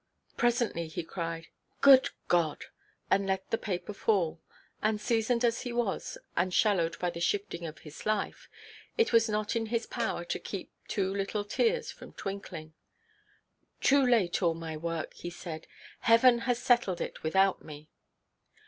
Presently he cried, "Good God!" and let the paper fall; and, seasoned as he was, and shallowed by the shifting of his life, it was not in his power to keep two little tears from twinkling. "Too late all my work," he said; "Heaven has settled it without me."